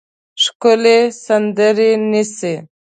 ښکلې سندرې نیسي